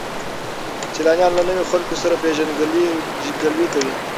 سیلانیان له نویو خلکو سره پیژندګلوي کوي.